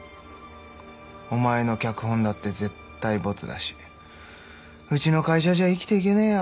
お前の脚本だって絶対ボツだしうちの会社じゃ生きていけねえよ。